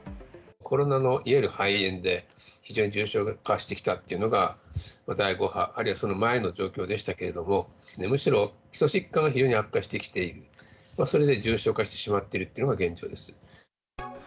コロナのいわゆる肺炎で、非常に重症化してきたっていうのが、第５波、あるいはその前の状況でしたけれども、むしろ、基礎疾患が非常に悪化してきている、それで重症化してしまっているというのが現状です。